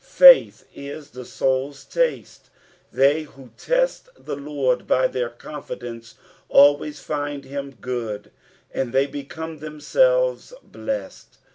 Faith is the Boul's taste ; they who test the Lord by their confidence always find him good, and they become themselves blessed.